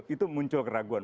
itu muncul keraguan